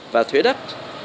và thuế đất